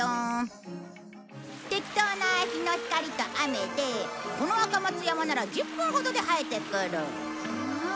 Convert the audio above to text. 適当な日の光と雨でこの赤松山なら１０分ほどで生えてくる。